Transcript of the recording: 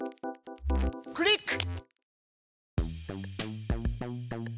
クリック！